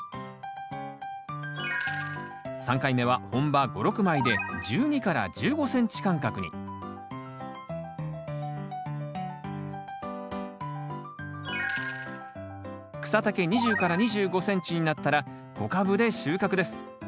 ３回目は本葉５６枚で１２１５ｃｍ間隔に草丈２０２５ｃｍになったら小株で収穫です。